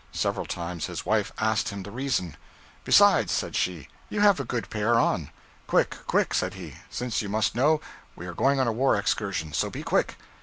Several times his wife asked him the reason. 'Besides,' said she, 'you have a good pair on.' 'Quick, quick,' said he, 'since you must know, we are going on a war excursion; so be quick.'